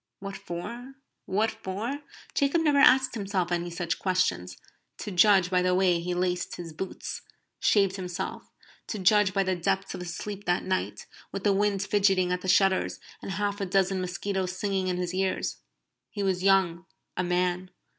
"What for? What for?" Jacob never asked himself any such questions, to judge by the way he laced his boots; shaved himself; to judge by the depth of his sleep that night, with the wind fidgeting at the shutters, and half a dozen mosquitoes singing in his ears. He was young a man.